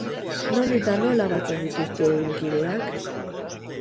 Non eta nola batzen dituzte euren kideak?